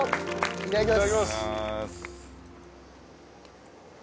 いただきます。